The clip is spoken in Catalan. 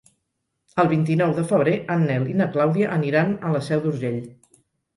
El vint-i-nou de febrer en Nel i na Clàudia aniran a la Seu d'Urgell.